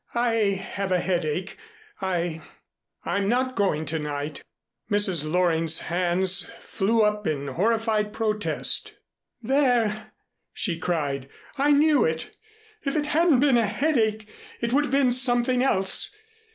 "I have a headache. I I'm not going to night." Mrs. Loring's hands flew up in horrified protest. "There!" she cried. "I knew it. If it hadn't been a headache, it would have been something else.